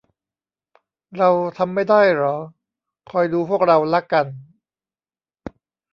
เราทำไม่ได้หรอ คอยดูพวกเราละกัน